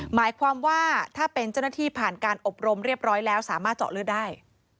หมายความว่าถ้าเป็นเจ้าหน้าที่ผ่านการอบรมเรียบร้อยแล้วสามารถเจาะเลือดได้